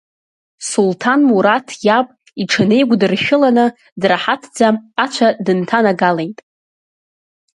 Сулҭанмураҭ иаб иҽынеигәдыршәыланы драҳаҭӡа ацәа дынҭанагалеит.